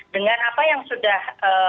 dengan apa yang sudah